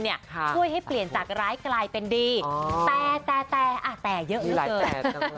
ช่วยให้เปลี่ยนจากร้ายกลายเป็นดีแต่แต่เยอะเหลือเกิน